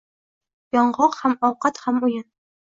Yong‘oq - ham ovqat, ham o‘yin.